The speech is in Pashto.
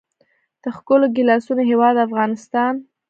د ښکلو ګیلاسونو هیواد افغانستان.